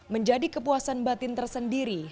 menjadi kepuasan batin tersendiri